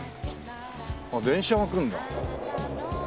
あっ電車が来るんだ。